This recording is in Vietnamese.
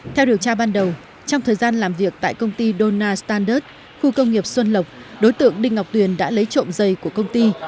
theo điều tra ban đầu trong thời gian làm việc tại công ty dona standert khu công nghiệp xuân lộc đối tượng đinh ngọc tuyền đã lấy trộm dây của công ty